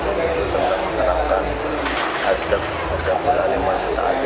ada menggerakkan hadratu sheikh hashim ashari